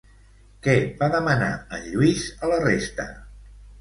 Què va demanar en Lluís a la resta?